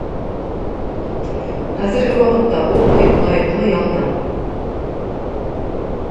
Хәзерге вакытта ул лаеклы ялда.